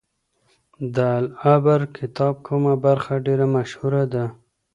د العبر کتاب کومه برخه ډیره مشهوره ده؟